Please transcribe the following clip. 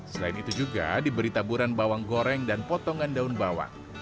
selain itu juga diberi taburan bawang goreng dan potongan daun bawang